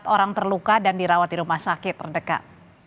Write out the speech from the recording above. empat orang terluka dan dirawat di rumah sakit terdekat